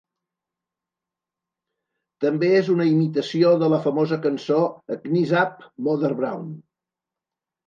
També és una imitació de la famosa cançó "Knees Up Mother Brown".